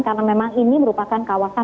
karena memang ini merupakan kawasan